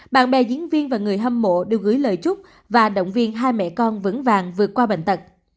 bạn bè diễn viên và người hâm mộ được gửi lời chúc và động viên hai mẹ con vững vàng vượt qua bệnh tật